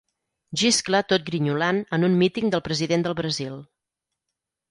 Xiscla tot grinyolant en un míting del president del Brasil.